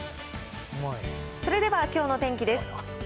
それではきょうの天気です。